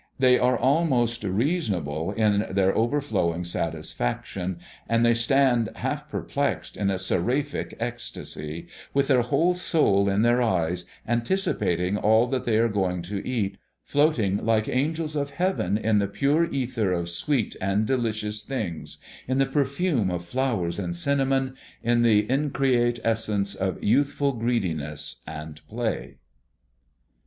They are almost reasonable in their overflowing satisfaction; and they stand half perplexed in a seraphic ecstasy, with their whole soul in their eyes, anticipating all that they are going to eat, floating like angels of heaven in the pure ether of sweet and delicious things, in the perfume of flowers and cinnamon, in the increate essence of youthful greediness and play.